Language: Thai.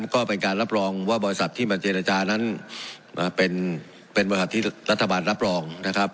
ก็เป็นการรับรองว่าบริษัทที่มาเจรจานั้นเป็นบริษัทที่รัฐบาลรับรองนะครับ